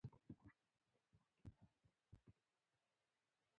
نوپالي ژبه عمومي مجامعو کې ځای نه لري.